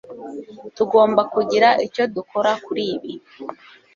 tugomba kugira icyo dukora kuri ibi